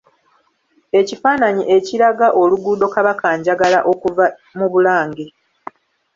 Ekifaananyi ekiraga oluguudo Kabakanjagala okuva mu Bulange.